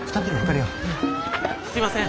すいません。